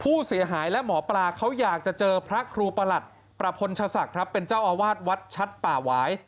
ผู้เสียหายและหมอปลาเขาอยากจะเจอพระครูประหลัดประพลชศักดิ์ครับเป็นเจ้าอาวาสวัดชัดป่าหวาย